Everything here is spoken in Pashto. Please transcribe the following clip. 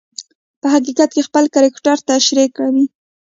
په حقیقت کې خپل کرکټر تشریح کوي.